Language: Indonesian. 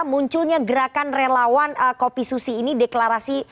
munculnya gerakan relawan kopi susi ini deklarasi